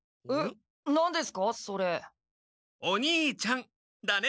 お兄ちゃんだね。